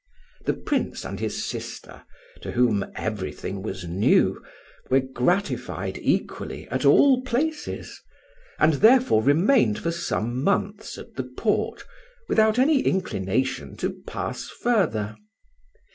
The Prince and his sister, to whom everything was new, were gratified equally at all places, and therefore remained for some months at the port without any inclination to pass further.